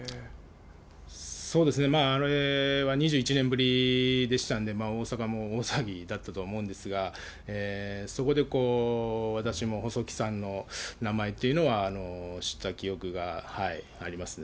そうですね、あれは２１年ぶりでしたんで、大阪も大騒ぎだったと思うんですが、そこで私も細木さんの名前っていうのは知った記憶がありますね。